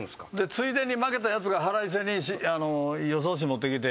ついでに負けたやつが腹いせに予想紙持ってきて。